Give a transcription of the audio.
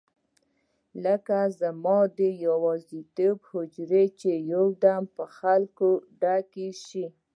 لکه زما د یوازیتوب حجره چې یو دم په خلکو ډکه شي.